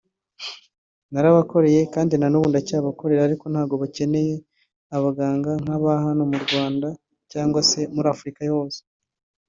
narabakoreye kandi n’ubu ndacyabakorera ariko ntago bakeneye abaganga nka hano mu Rwanda cyangwa se muri Afurika hose